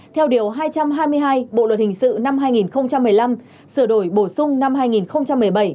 theo điều hai trăm hai mươi hai bộ luật hình sự năm hai nghìn một mươi năm sửa đổi bổ sung năm hai nghìn một mươi bảy